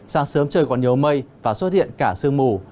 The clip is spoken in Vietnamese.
sáng sớm trời còn nhiều mây và xuất hiện cả sương mù